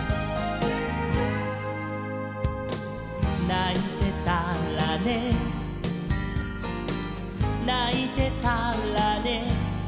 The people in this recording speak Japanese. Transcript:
「ないてたらねないてたらね」